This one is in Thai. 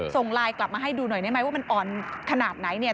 ส่งไลน์กลับมาให้ดูหน่อยได้ไหมว่ามันอ่อนขนาดไหนเนี่ย